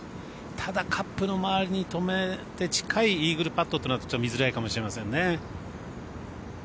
ただ、カップの周りに止めて近いイーグルパットというのはちょっと見づらいかもしれませんね。